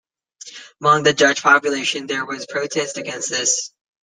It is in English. Among the Dutch population there was protest against this.